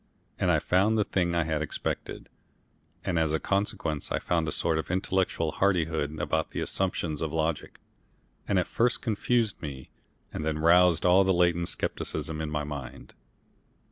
And I found the thing I had expected. And as a consequence I found a sort of intellectual hardihood about the assumptions of logic, that at first confused me and then roused all the latent scepticism in my mind.